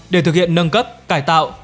để thực hiện nâng cấp cải tạo